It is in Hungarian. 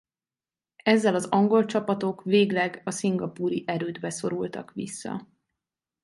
Ezzel az angol csapatok végleg a szingapúri erődbe szorultak vissza.